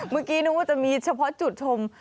เมื่อกี้นึกว่าจะมีเฉพาะจุดชม